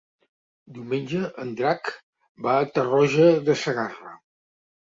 Diumenge en Drac va a Tarroja de Segarra.